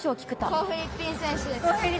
コー・フリッピン選手です。